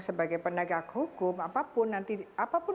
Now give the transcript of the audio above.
sebagai penegak hukum apapun